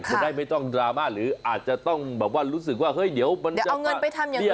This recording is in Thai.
ก็ได้ไม่ต้องดราม่าหรืออาจจะต้องแบบว่ารู้สึกว่าเฮ้ยเดี๋ยวมันจะ